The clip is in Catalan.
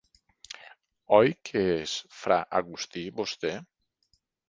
¿Oi que és fra Agustí, vostè?